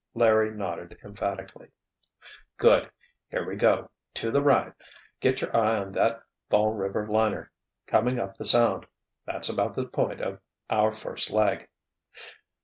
Larry nodded emphatically. "Good! Here we go—to the right. Get your eye on that Fall River Liner, coming up the Sound—that's about the point of our first leg.